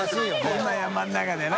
こんな山の中でな。